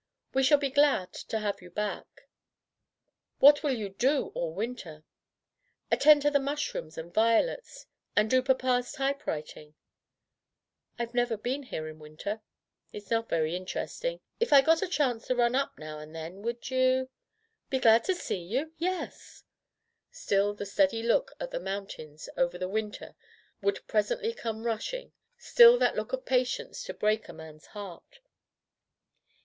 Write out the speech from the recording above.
"We shall be glad — to have you back/' "What will you do all winter?" "Attend to the mushrooms and violets, and do papa's typewriting/' "I've never been here in winter/' "It's not very interesting/' "If I got a chance to run up now and then, would you " "Be glad to see you ? Yes/' Still the steady look at the mountains over which winter would presently come rush ing; still that look of patience, to break a man's heart.